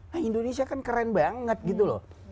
nah indonesia kan keren banget gitu loh